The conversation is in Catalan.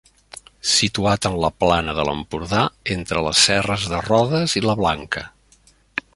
Situat en la plana de l'Empordà, entre les serres de Rodes i la Blanca.